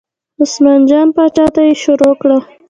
عثمان جان پاچا ته یې شروع کړه.